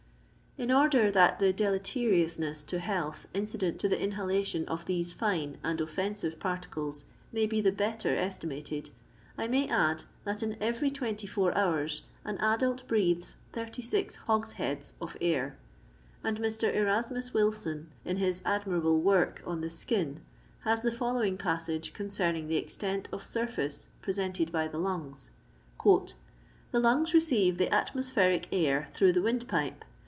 In order that the deleteriousness to health in ddent to the inhaktion of these fine and offensive particles may be the better estimated, I may add, that in every 24 hours an adult breathes 36 hogsheads of air ; and Mr. Erasmus Wilson, in his admirable work on the Skin, has the fol lowing passage concerning the eztent of surface presented by the lungs :—" The lungs receive the atmospheric air through the windpipe.